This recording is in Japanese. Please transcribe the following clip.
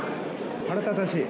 腹立たしい。